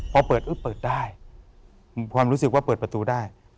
พอเปิดเปิดได้